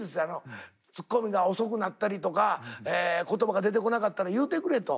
ツッコミが遅くなったりとか言葉が出てこなかったら言うてくれと。